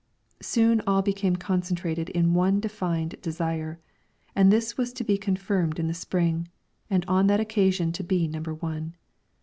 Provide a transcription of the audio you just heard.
Soon all became concentrated in one defined desire, and this was to be confirmed in the spring, and on that occasion to be number one.